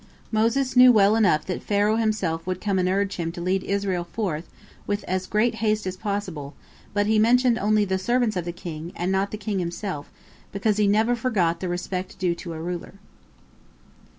Moses knew well enough that Pharaoh himself would come and urge him to lead Israel forth with as great haste as possible, but he mentioned only the servants of the king, and not the king himself, because he never forgot the respect due to a ruler.